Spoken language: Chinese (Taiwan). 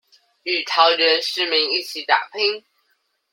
與桃園市民一起打拼